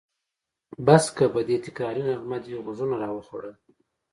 بس که! په دې تکراري نغمه دې غوږونه راوخوړل.